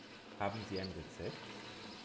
Haben Sie ein Rezept?